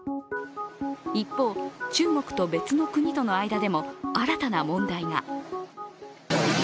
一方、中国と別の国との間でも新たな問題が。